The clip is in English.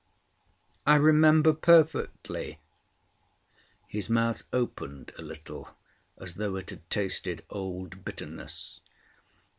"I remember perfectly." His mouth opened a little as though it had tasted old bitterness.